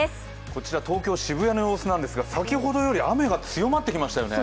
こちら東京・渋谷の様子なんですが、先ほどより雨が強まってきましたよね。